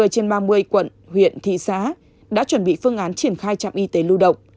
ba mươi trên ba mươi quận huyện thị xã đã chuẩn bị phương án triển khai trạm y tế lưu động